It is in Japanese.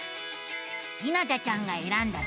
ひなたちゃんがえらんだ